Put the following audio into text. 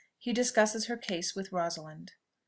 HE DISCUSSES HER CASE WITH ROSALIND.